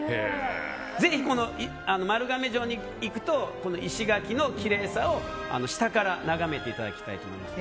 ぜひ丸亀城に行くと石垣のきれいさを下から眺めていただきたいと思います。